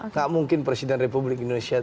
tak mungkin presiden republik indonesia